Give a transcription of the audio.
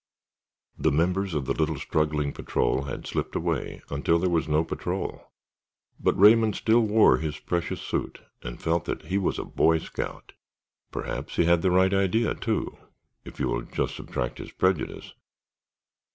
The members of the little struggling patrol had slipped away until there was no patrol, but Raymond still wore his precious suit and felt that he was a Boy Scout. Perhaps he had the right idea, too, if you will just subtract his prejudice.